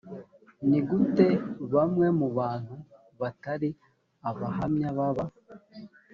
ni gute bamwe mu bantu batari abahamya baba